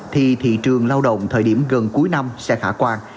thì thị trường lao động thời điểm gần cuối năm sẽ khả quan